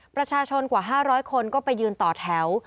ประชาชนกว่า๕๐๐คนก็ไปยืนต่อแถว